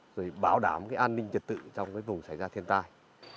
rồi bảo đảm an ninh trật tự trong vùng xảy ra thiên tai